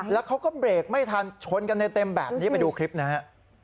แล้วเขาก็เบรกไม่ทันชนกันเต็มแบบนี้ไปดูคลิปนะฮะ